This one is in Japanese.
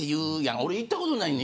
俺、行ったことないねん。